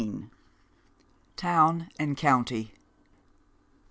TOWN AND COUNTY.